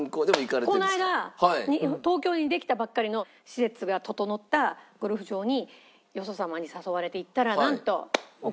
この間東京にできたばっかりの施設が整ったゴルフ場によそ様に誘われて行ったらなんと。